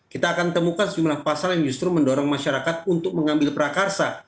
kita akan temukan sejumlah pasal yang justru mendorong masyarakat untuk mengambil prakarsa